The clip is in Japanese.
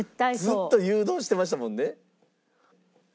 ずっと誘導してましたもんね。